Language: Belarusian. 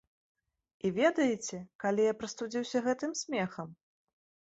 І ведаеце, калі я прастудзіўся гэтым смехам?